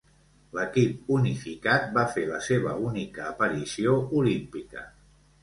L'equip unificat va fer la seva única aparició olímpica.